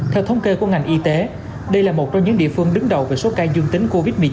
theo thống kê của ngành y tế đây là một trong những địa phương đứng đầu về số ca dương tính covid một mươi chín